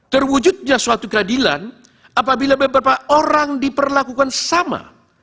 terwujudnya suatu keadilan apabila beberapa orang diperlakukan sama